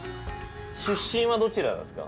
出身はどちらですか？